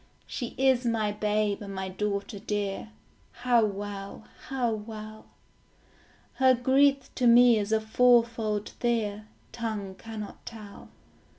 She is my babe and my daughter dear, How well, how well. Her grief to me is a fourfold fear, Tongue cannot tell.